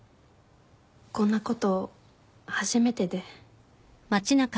こんなこと初めてで。